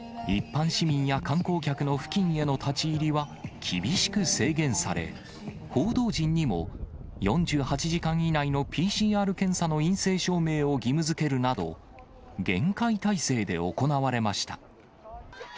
一般市民や観光客の付近への立ち入りは厳しく制限され、報道陣にも４８時間以内のＰＣＲ検査の陰性証明を義務づけるなど、厳戒態勢で行われました。